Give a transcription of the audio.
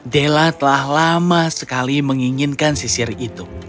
della telah lama sekali menginginkan sisir itu